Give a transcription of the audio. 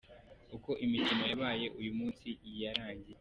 Uko imikino yabaye uyu munsi yarangiye:.